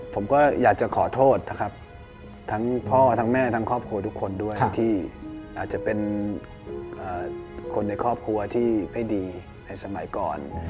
ผมก็อยากจะขอโทษนะครับทั้งพ่อทั้งแม่ทั้งครอบครัวทุกคนด้วยที่อาจจะเป็นคนในครอบครัวที่ไม่ดีในสมัยก่อน